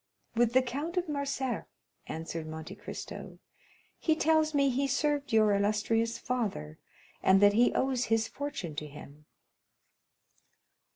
"With the Count of Morcerf," answered Monte Cristo. "He tells me he served your illustrious father, and that he owes his fortune to him."